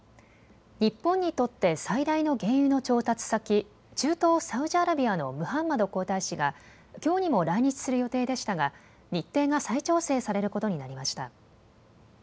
日本にとって最大の原油の調達先、中東サウジアラビアのムハンマド皇太子がきょうにも来日する予定でしたが日程が再調整されることになりました。